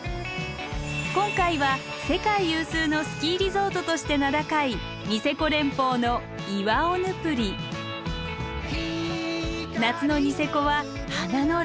今回は世界有数のスキーリゾートとして名高いニセコ連峰の夏のニセコは花の楽園。